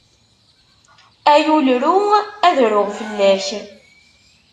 Ay ul ru, ad ruɣ fell-ak!